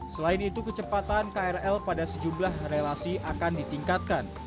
selain itu kecepatan krl pada sejumlah relasi akan ditingkatkan